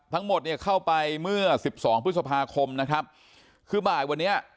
ทั้งหมดเนี่ยเข้าไปเมื่อสิบสองพฤษภาคมนะครับคือบ่ายวันนี้